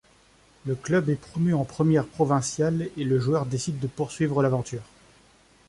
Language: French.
Le club est promu en première provinciale et le joueur décide de poursuivre l'aventure.